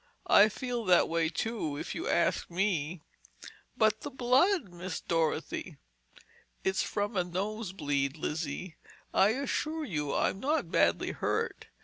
I feel that way, too, if you ask me—" "But the blood, Miss Dorothy?" "It's from a nosebleed, Lizzie. I assure you I'm not badly hurt.